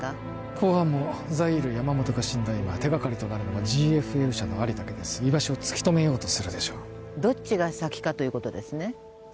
公安もザイール山本が死んだ今手掛かりとなるのはＧＦＬ社のアリだけです居場所を突き止めようとするでしょうどっちが先かということですね